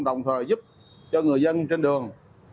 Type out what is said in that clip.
đồng thời giúp cho người dân trên đường